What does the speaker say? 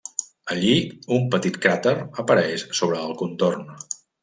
Allí un petit cràter apareix sobre el contorn.